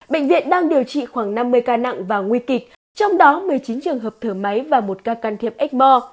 bệnh viện đang điều trị khoảng năm mươi ca nặng và nguy kịch trong đó một mươi chín trường hợp thở máy và một ca can thiệp ếchmore